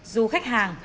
dù khách hàng